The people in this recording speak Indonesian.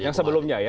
yang sebelumnya ya